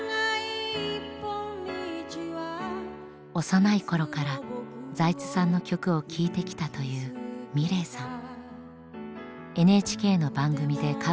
幼い頃から財津さんの曲を聴いてきたというｍｉｌｅｔさん。